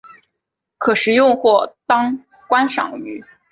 可食用或当观赏鱼。